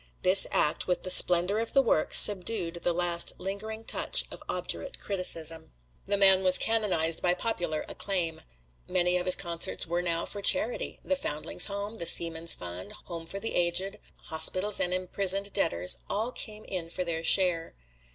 This act, with the splendor of the work, subdued the last lingering touch of obdurate criticism. The man was canonized by popular acclaim. Many of his concerts were now for charity "The Foundlings' Home," "The Seamen's Fund," "Home for the Aged," hospitals and imprisoned debtors all came in for their share.